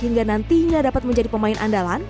hingga nantinya dapat menjadi pemain andalan